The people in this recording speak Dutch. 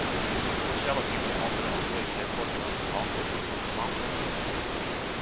Ikzelf, die met anderen over deze hervormingen onderhandel, was daar bang voor.